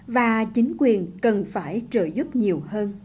và chính quyền cần phải trợ giúp nhiều hơn